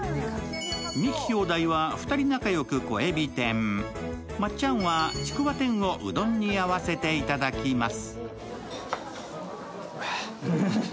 ミキ兄弟は２人仲良く小えび天、まっちゃんはちくわ天をうどんにあわせていただきます。